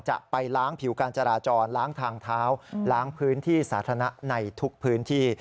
จะไปล้างผิวการจราจรล้างทางเท้าล้างพื้นที่สาธารณะในทุกพื้นที่